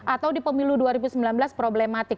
atau di pemilu dua ribu sembilan belas problematik